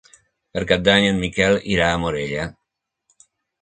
Per Cap d'Any en Miquel irà a Morella.